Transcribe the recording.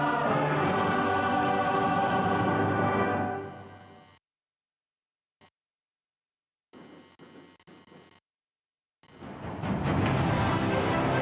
di jalan jalan menuju indonesia